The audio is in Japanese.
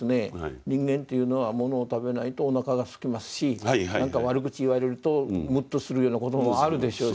人間っていうのは物を食べないとおなかがすきますし何か悪口言われるとムッとするようなこともあるでしょうし